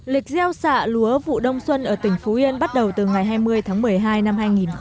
lịch gieo xạ lúa vụ đông xuân ở tỉnh phú yên bắt đầu từ ngày hai mươi tháng một mươi hai năm hai nghìn một mươi chín